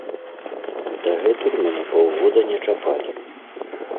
Дагэтуль мяне паўгода не чапалі.